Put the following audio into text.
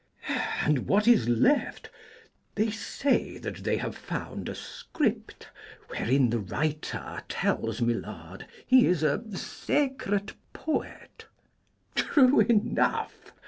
And what is left? They say that they have found A script, wherein the writer tells my Lord He is a secret poet. True enough!